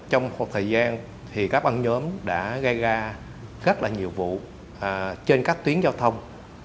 trong một thời gian thì các băng nhóm đã gây ra rất là nhiều vụ trên các tuyến giao thông